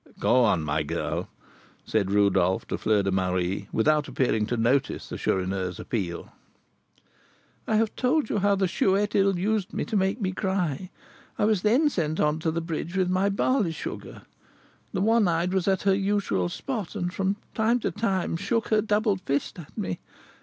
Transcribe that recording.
"Go on, my girl," said Rodolph to Fleur de Marie, without appearing to notice the Chourineur's appeal. "I have told you how the Chouette ill used me to make me cry. I was then sent on to the bridge with my barley sugar. The one eyed was at her usual spot, and from time to time shook her doubled fist at me.